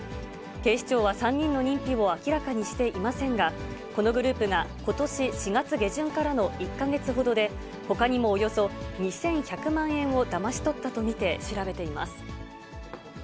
警視庁は３人の認否を明らかにしていませんが、このグループがことし４月下旬からの１か月ほどで、ほかにもおよそ２１００万円をだまし取ったと見て調べています。